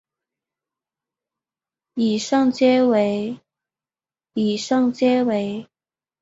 以上皆为以上皆为